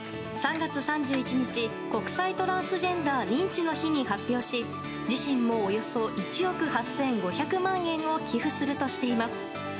３月３１日国際トランスジェンダー認知の日に発表し自身もおよそ１億８５００万円を寄付するとしています。